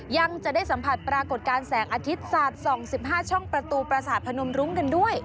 ยังจะได้สัมผัสปรากฏการณ์แสงอาทิตย์สาดส่อง๑๕ช่องประตูประสาทพนมรุ้งกันด้วย